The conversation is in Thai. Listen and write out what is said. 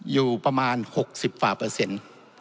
อยู่ประมาณ๖๐กว่าเปอร์เซ็นต์